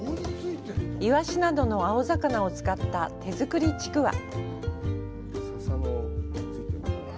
イワシなどの青魚を使った手作りちくわ。